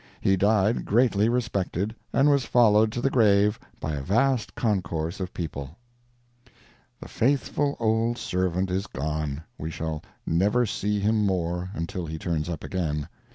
He died greatly respected, and was followed to the grave by a vast concourse of people. The faithful old servant is gone! We shall never see him more until he turns up again.